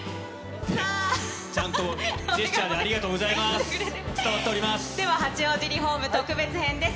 ちゃんとジェスチャーでありがとうございます。